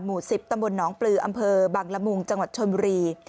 หมู่๑๐ตำบลหนองปลืออำเภอบังละมุงจังหวัดชนบุรี